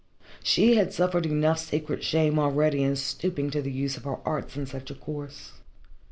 She had suffered enough secret shame already in stooping to the use of her arts in such a course.